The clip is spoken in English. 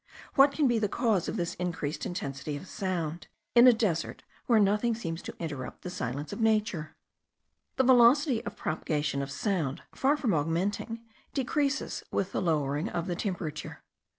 What can be the cause of this increased intensity of sound, in a desert where nothing seems to interrupt the silence of nature? The velocity of the propagation of sound, far from augmenting, decreases with the lowering of the temperature.